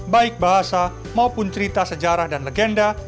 baik bahasa maupun cerita sejarah dan legenda